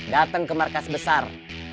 datang ke markas besar